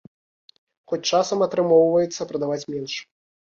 Хоць часам атрымоўваецца працаваць менш.